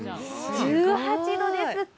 １８度ですって。